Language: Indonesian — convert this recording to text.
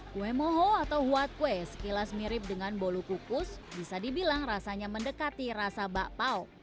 kue moho atau huat kue sekilas mirip dengan bolu kukus bisa dibilang rasanya mendekati rasa bakpao